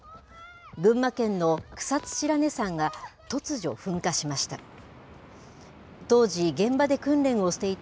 群馬県の草津白根山が突如、噴火しました。